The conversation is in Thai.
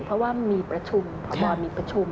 เพราะว่ามีประชุมพบมีประชุม